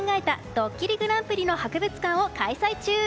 ドッキリＧＰ」の博物館を開催中。